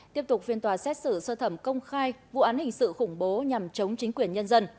tiếp tục phiên tòa xét xử sơ thẩm công khai vụ án hình sự khủng bố nhằm chống chính quyền nhân dân